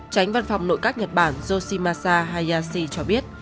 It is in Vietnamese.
tránh văn phòng nội các nhật bản joshimasa hayashi cho biết